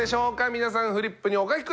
皆さんフリップにお書き下さい。